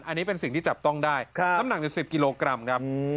อันนี้เป็นสิ่งที่จับต้องได้น้ำหนักอยู่๑๐กิโลกรัมครับ